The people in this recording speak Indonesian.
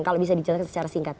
kalau bisa dijelaskan secara singkat